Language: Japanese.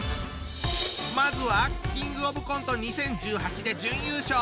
まずはキングオブコント２０１８で準優勝。